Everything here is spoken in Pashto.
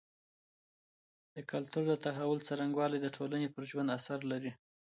د کلتور د تحول څرنګوالی د ټولني پر ژوند اثر لري.